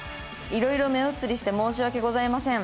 「いろいろ目移りして申し訳ございません」